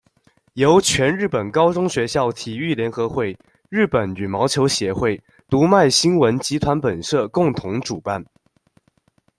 由全日本高中学校体育联合会、日本羽毛球协会、读卖新闻集团本社共同主办。